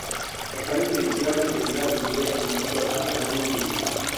bakabikurikira kugeza igihe amatora arangiriye